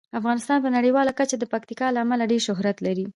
افغانستان په نړیواله کچه د پکتیکا له امله ډیر شهرت لري.